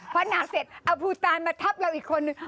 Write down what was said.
พอหนักเสร็จเอาภูตานมาทับเราอีกคนนึง